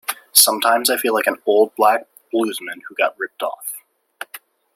Sometimes I feel like an old black bluesman who got ripped off.